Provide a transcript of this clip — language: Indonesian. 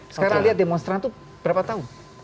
sekarang lihat demonstran itu berapa tahun